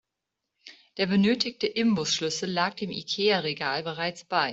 Der benötigte Imbusschlüssel lag dem Ikea-Regal bereits bei.